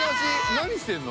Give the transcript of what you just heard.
何してんの？